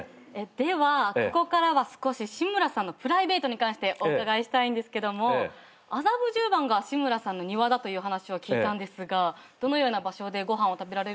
ではここからは少し志村さんのプライベートに関してお伺いしたいんですけども麻布十番が志村さんの庭だという話を聞いたんですがどのような場所でご飯を食べられるんでしょうか？